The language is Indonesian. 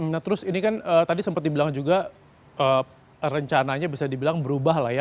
nah terus ini kan tadi sempat dibilang juga rencananya bisa dibilang berubah lah ya